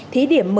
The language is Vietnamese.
thí điểm mở ra